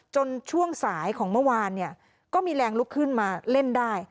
ช่วงสายของเมื่อวานเนี่ยก็มีแรงลุกขึ้นมาเล่นได้